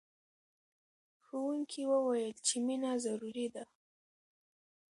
ښوونکي وویل چې مینه ضروري ده.